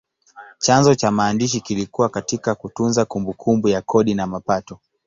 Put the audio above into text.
Chanzo cha maandishi kilikuwa katika kutunza kumbukumbu ya kodi na mapato.